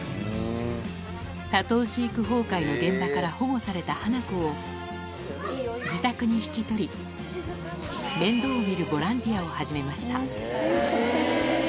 多頭飼育崩壊の現場から保護されたハナコを、自宅に引き取り、面倒を見るボランティアを始めました。